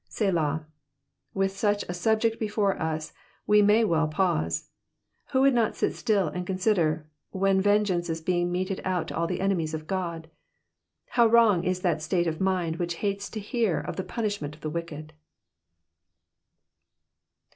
/SWaA.'* With such a subject before us we may well pause. Who would not sit still and consider, when yengeance is being meted out to all the enemies of God ? How wrong is that state of mind which hates to hear of the punishment of the wicked